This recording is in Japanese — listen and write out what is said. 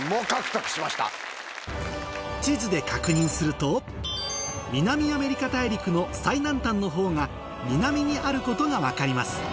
地図で確認すると南アメリカ大陸の最南端のほうが南にあることが分かります